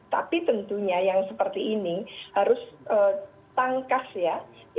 tapi tentunya yang seperti ini harus tangkas ya